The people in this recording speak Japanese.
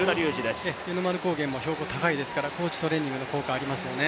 湯の丸高原も標高高いですから高地トレーニングの効果ありますよね。